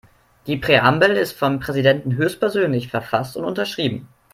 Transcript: Die Präambel ist vom Präsidenten höchstpersönlich verfasst und unterschrieben.